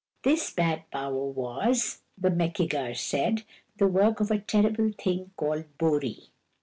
This bad power was, the Meki gar said, the work of a terrible being called Bori.